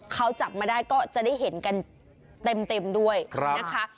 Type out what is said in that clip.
เขาจับมาได้ก็จะได้เห็นกันเต็มด้วยนะคะ